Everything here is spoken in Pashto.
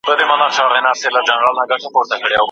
ښځو د مساوي معاش لپاره مبارزه وکړه.